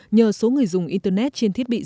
nhờ số người dùng internet trên thiết bị di động